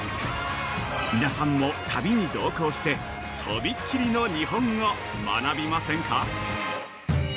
皆さんも、旅に同行してとびっきりの日本を学びませんか。